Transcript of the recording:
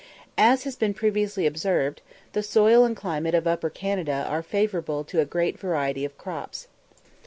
As has been previously observed, the soil and climate of Upper Canada are favourable to a great variety of crops.